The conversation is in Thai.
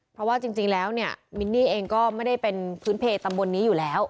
เพราะว่าจริงแล้วเนี่ยมินนี่เองก็ไม่ได้เป็นพื้นเพตำบลนี้อยู่แล้ว